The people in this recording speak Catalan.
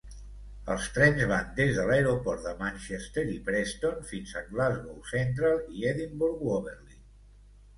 Els trens van des de l'aeroport de Manchester i Preston fins a Glasgow Central i Edimburg Waverley.